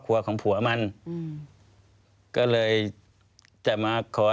ควิทยาลัยเชียร์สวัสดีครับ